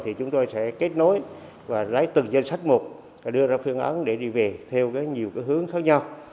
thì chúng tôi sẽ kết nối và lấy từng danh sách một và đưa ra phương án để đi về theo nhiều hướng khác nhau